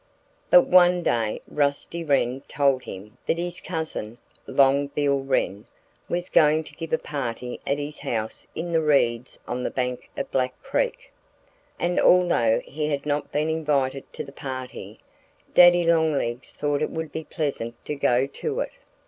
But one day Rusty Wren told him that his cousin, Long Bill Wren, was going to give a party at his house in the reeds on the bank of Black Creek. And although he had not been invited to the party, Daddy Longlegs thought it would be pleasant to go to it.